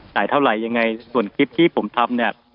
ตายเท่าไหร่ยังไงส่วนคลิปที่ผมทำ